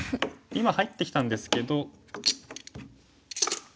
今入ってきたんですけど。